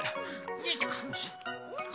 よいしょ。